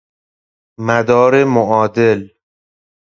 مدار معادل